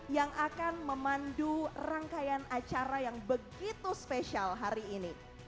yang akan memandu rangkaian acara yang begitu spesial hari ini